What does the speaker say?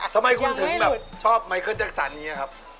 ทำไมคุณถึงชอบไมค์เคิศจักรศรัทธิ์แบบนี้ครับ